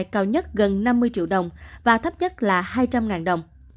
hai hai mươi hai cao nhất gần năm mươi triệu đồng và thấp nhất là hai trăm linh đồng